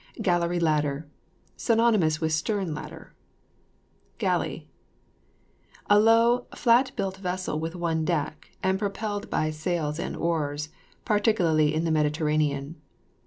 GALLERY LADDER. Synonymous with stern ladder. GALLEY. A low, flat built vessel with one deck, and propelled by sails and oars, particularly in the Mediterranean.